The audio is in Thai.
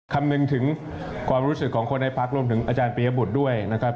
คำนึงถึงความรู้สึกของคนในพักรวมถึงอาจารย์ปียบุตรด้วยนะครับ